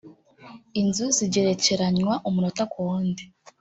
inzu zigerekeranywa umunota ku wundi